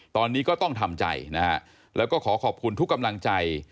ตอนนี้ก็ต้องทำใจนะฮะแล้วก็ขอขอบคุณทุกกำลังใจ